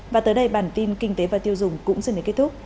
và tới đây bản tin kinh tế và tiêu dùng cũng xin đến kết thúc